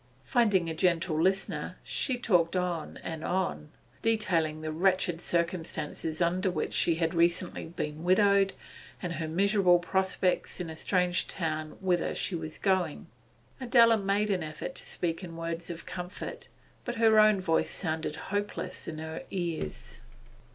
Finding a gentle listener, she talked on and on, detailing the wretched circumstances under which she had recently been widowed, and her miserable prospects in a strange town whither she was going. Adela made an effort to speak in words of comfort, but her own voice sounded hopeless in her ears.